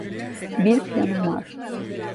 Bir planım var.